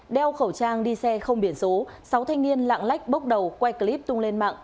đeo khẩu trang đi xe không biển số sáu thanh niên lạng lách bốc đầu quay clip tung lên mạng